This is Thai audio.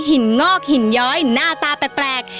งอกหินย้อยหน้าตาแปลก